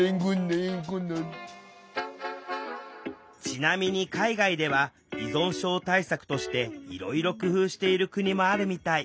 ちなみに海外では依存症対策としていろいろ工夫している国もあるみたい。